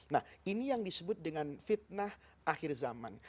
nah ini yang disebut dengan fitnah akhir zaman